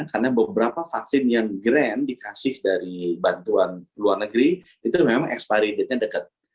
karena beberapa vaksin yang grand dikasih dari bantuan luar negeri itu memang expiry date nya dekat